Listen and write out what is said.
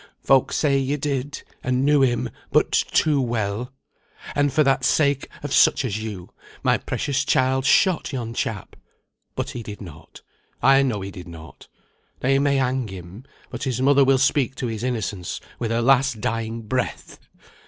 "Folk say you did, and knew him but too well. And that for the sake of such as you, my precious child shot yon chap. But he did not. I know he did not. They may hang him, but his mother will speak to his innocence with her last dying breath."